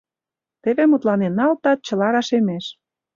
Теве мутланен налытат, чыла рашемеш.